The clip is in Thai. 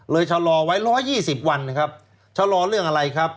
ชะลอไว้๑๒๐วันนะครับชะลอเรื่องอะไรครับ